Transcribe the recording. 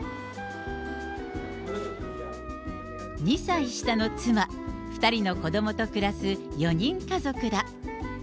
２歳下の妻、２人の子どもと暮らす４人家族だ。